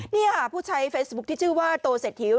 นี่ค่ะผู้ใช้เฟซบุ๊คที่ชื่อว่าโตเศรษฐิว